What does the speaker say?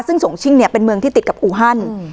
ซึ่งสงชิ่งเนี่ยเป็นเมืองที่ติดกับอูฮัน